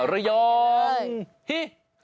ระยองฮิ